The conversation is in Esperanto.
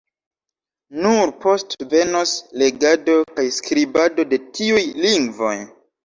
Nur poste venos legado kaj skribado de tiuj lingvoj.